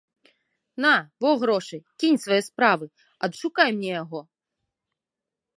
На, во грошы, кінь свае справы, адшукай мне яго!